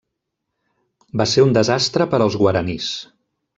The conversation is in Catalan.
Va ser un desastre per als guaranís.